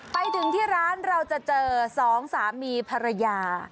ไปถึงที่ร้านเราจะเจอสองสามีภรรยา